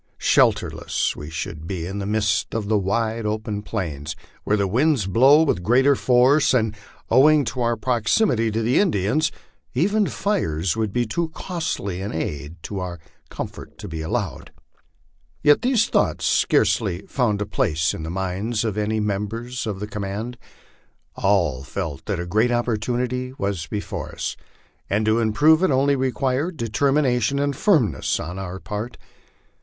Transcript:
Shelterless we should be in the midst of the wide, open plains, where the winds blow with greater force, and owing to our proximity to the Indians even fkes would be too costly an aid to our comfort to be allowed. Yet these thoughts scarcely found a place in the minds of any members of the command. All felt that a great opportunity was before us, and to improve it only required determination and firmness on our part.